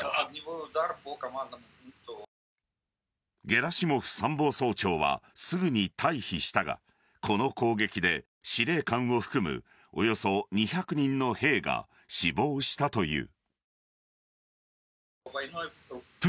ゲラシモフ参謀総長はすぐに退避したがこの攻撃で司令官を含むおよそ２００人の兵が死亡したという。